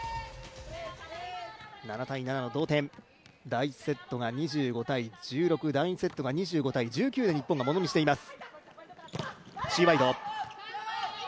第１セットが２５−１６、第２セットが２５−１９で日本がものにしています。